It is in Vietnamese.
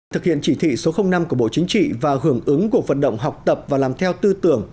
thực hiện chỉ thị số năm của bộ chính trị và hưởng ứng cuộc vận động học tập và làm theo tư tưởng